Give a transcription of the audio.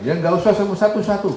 ya nggak usah semua satu satu